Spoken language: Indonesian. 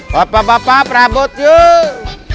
papa papa prabut yuk